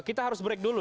kita harus break dulu